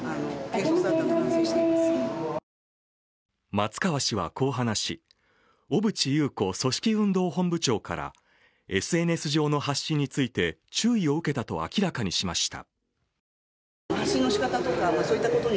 松川氏はこう話し、小渕優子組織運動本部長からＳＮＳ上の発信について注意を受けたと明らかにしました。